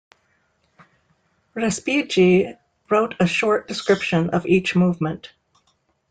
Respighi wrote a short description of each movement.